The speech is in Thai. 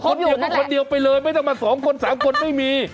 คนเดียวก็คนเดียวไปเลยไม่ต้องมา๒คน๓คนไม่มี